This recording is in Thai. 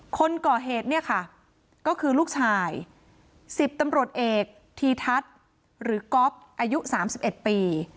คนก่อเหตุเนี่ยค่ะก็คือลูกชาย๑๐ตำรวจเอกทีทัศน์หรือก๊อฟอายุ๓๑ปี